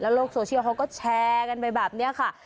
โลกโซเชียลเขาก็แชร์กันไปแบบนี้ค่ะ